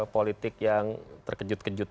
politik yang terkejut kejut